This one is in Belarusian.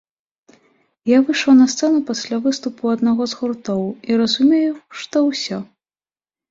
Я выйшаў на сцэну пасля выступу аднаго з гуртоў і разумею, што ўсё!